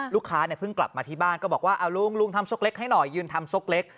ลูกค้าเพิ่งกลับมาที่บ้านก็บอกว่าลุงทำสกเล็กให้หน่อยยืนทำสกเล็ก